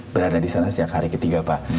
berada disana sejak hari ketiga pak